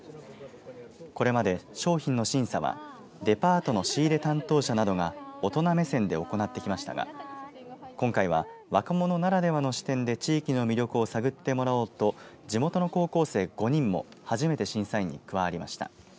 これまで、商品の審査はデパートの仕入れ担当者などが大人目線で行ってきましたが今回は、若者ならではの視点で地域の魅力を探ってもらおうと地元の高校生５人も初めて審査員に加わりました。